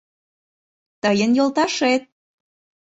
«Тыйын йолташет.